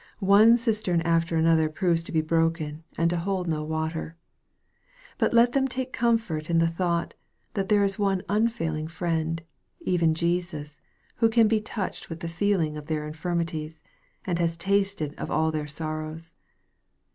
One cistern after another proves to be broken, and to hold no water. But let them take comfort in the thought, that there is one unfailing Friend, even Jesus, who can be touched with the feeling of their infirmities, and has tasted of all their sorrows.